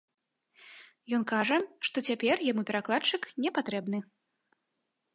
Ён кажа, што цяпер яму перакладчык не патрэбны.